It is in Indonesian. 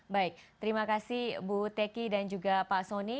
baik terima kasih bu teki dan juga pak soni